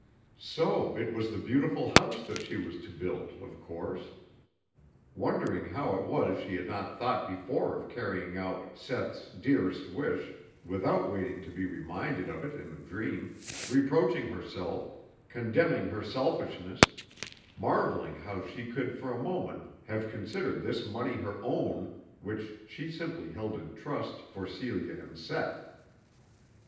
So it was the beautiful house that she was to build, of course. Wondering how it was she had not thought before of carrying out Seth's dearest wish without waiting to be reminded of it in a dream, reproaching herself, condemning her selfishness, marvelling how she could for a moment have considered this money her own which she simply held in trust for Celia and Seth.